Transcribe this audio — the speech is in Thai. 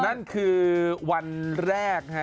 นั่นคือวันแรก